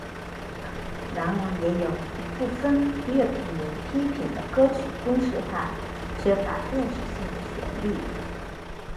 然而也有一部分乐评人批评了歌曲公式化缺乏辨识性的旋律。